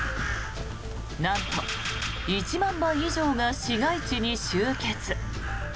なんと、１万羽以上が市街地に集結。